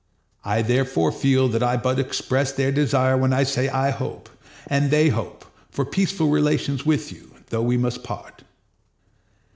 I therefore feel that I but express their desire when I say I hope, and they hope, for peaceful relations with you, tho we must part.